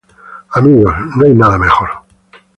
Amigos, no hay nada mejor".